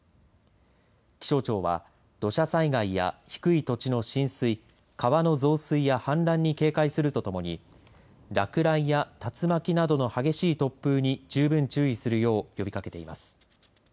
気象庁は土砂災害や低い土地の浸水川の増水や氾濫に警戒するとともに落雷や竜巻などの激しい突風に十分注意するよう呼びかけています。